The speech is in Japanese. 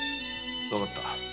分かった。